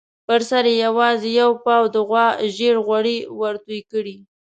پر سر یې یوازې یو پاو د غوا زېړ غوړي ورتوی کړي.